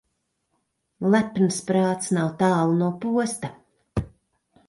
Lepns prāts nav tālu no posta.